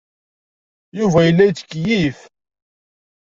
Yuba yella yettkeyyif.